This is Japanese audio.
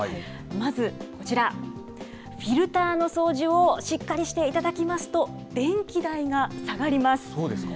まずこちら、フィルターの掃除をしっかりしていただきますと、電気代が下がります。